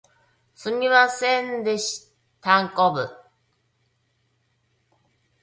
すみませんでしたんこぶ